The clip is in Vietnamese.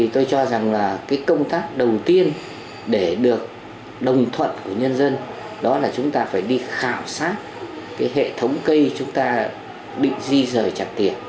tôi cho rằng công tác đầu tiên để được đồng thuận của nhân dân là chúng ta phải đi khảo sát hệ thống cây chúng ta định di rời chặt tiệt